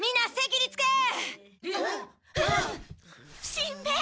しんべヱ！